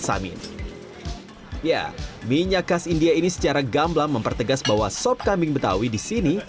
samin ya minyak khas india ini secara gamblam mempertegas bahwa sop kambing betawi disini